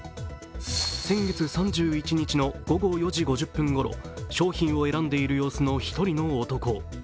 先月３１日の午後４時５０分ごろ、商品を選んでいる様子の１人の男。